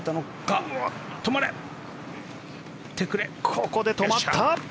ここで止まった。